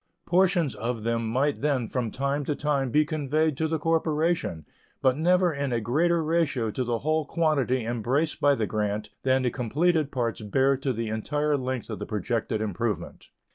Portions of them might then from time to time be conveyed to the corporation, but never in a greater ratio to the whole quantity embraced by the grant than the completed parts bear to the entire length of the projected improvement.